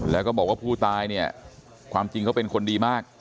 แล้วก็บอกว่าผู้ตายเนี่ยความจริงเขาเป็นคนดีมาก